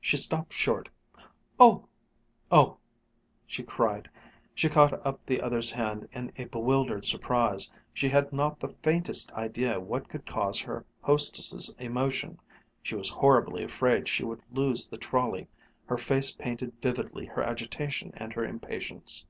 She stopped short, "Oh ... oh!" she cried. She caught up the other's hand in a bewildered surprise. She had not the faintest idea what could cause her hostess' emotion. She was horribly afraid she would lose the trolley. Her face painted vividly her agitation and her impatience.